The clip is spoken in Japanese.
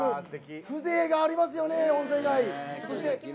風情がありますよね、温泉街。